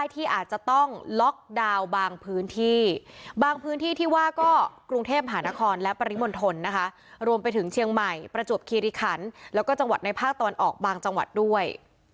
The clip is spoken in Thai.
ที่จะประจวบคีริขันและก็จังหวัดในภาคตอนออกบางจังหวัดด้วย